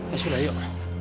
ya sudah yuk